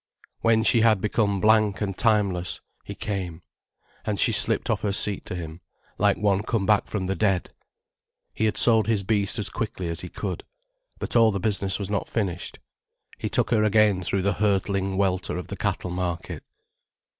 When she had become blank and timeless he came, and she slipped off her seat to him, like one come back from the dead. He had sold his beast as quickly as he could. But all the business was not finished. He took her again through the hurtling welter of the cattle market.